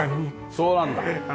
そうなんだ。